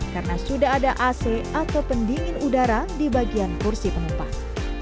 karena sudah ada ac atau pendingin udara di bagian kursi penumpang